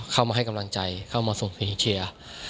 เข้ามาให้กำลังใจเข้ามาส่งเสียงเชียร์